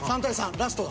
ラストだ。